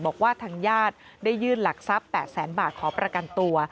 บอกว่าทางญาติได้ยื่นหลักทรัพย์๘แสนบาทขอประกันตัว